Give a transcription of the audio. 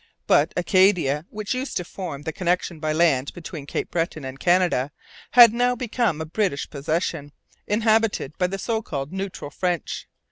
But Acadia, which used to form the connection by land between Cape Breton and Canada, had now become a British possession inhabited by the so called 'neutral French.'